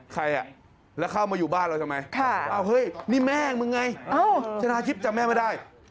ใครอ่ะแล้วเข้ามาอยู่บ้านเราทำไมนี่แม่มึงไงชนะทิพย์จำแม่ไม่ได้